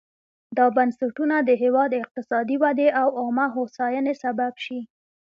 دا بنسټونه د هېواد اقتصادي ودې او عامه هوساینې سبب شي.